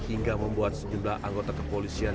hingga membuat sejumlah anggota kepolisian